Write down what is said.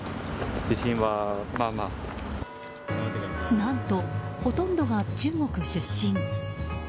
何と、ほとんどが中国出身。